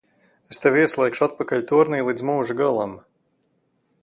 Es tevi ieslēgšu atpakal tornī līdz mūža galam!